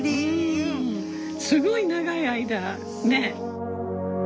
うんすごい長い間ね。